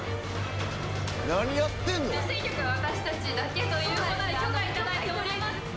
女性客は私たちだけということで許可いただいております。